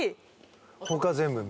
他全部右。